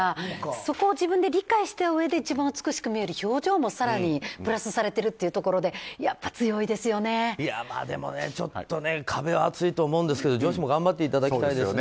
そこを自分で理解したうえで一番美しく見せる表情も更にプラスされているということででも壁は厚いと思うんですけど女子も頑張っていただきたいですね。